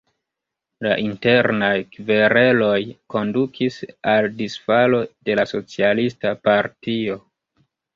La internaj kvereloj kondukis al disfalo de la socialista partio.